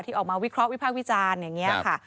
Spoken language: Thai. ออกมาวิเคราะห์วิพากษ์วิจารณ์อย่างนี้ค่ะ